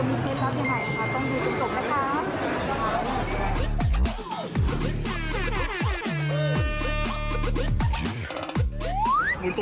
ว่าเธอมีเคล็ดรัสที่ไหนนะคะต้องดูจนตกนะคะ